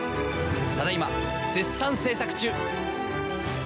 ただいま絶賛制作中！